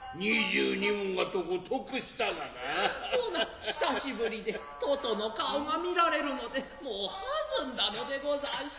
ほな久し振りで父の顔が見られるのでもうはずんだのでござんせう。